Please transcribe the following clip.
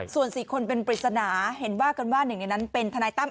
ส่วน๔คนเป็นปริศนาเห็นว่ากันว่าหนึ่งในนั้นเป็นทนายตั้ม